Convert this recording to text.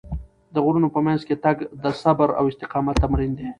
د غرونو په منځ کې تګ د صبر او استقامت تمرین دی.